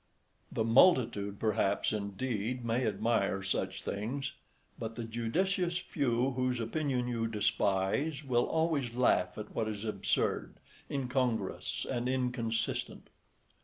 The multitude perhaps, indeed, may admire such things; but the judicious few whose opinion you despise will always laugh at what is absurd, incongruous, and inconsistent.